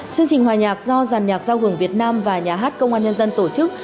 chương trình hòa nhạc do giàn nhạc giao hưởng việt nam và nhà hát công an nhân dân tổ chức